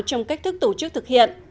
trong cách thức tổ chức thực hiện